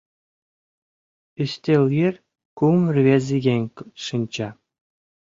Ӱстел йыр кум рвезыеҥ шинча.